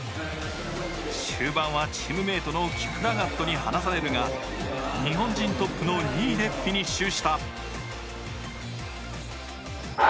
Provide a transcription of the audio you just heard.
終盤はチームメートのキプラガットに離されるが日本人トップの２位でフィニッシュした